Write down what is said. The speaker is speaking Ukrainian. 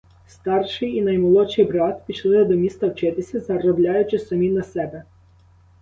Старший і наймолодший брат пішли до міста вчитися заробляючи самі на себе.